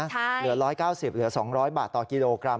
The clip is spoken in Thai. เหลือ๑๙๐เหลือ๒๐๐บาทต่อกิโลกรัม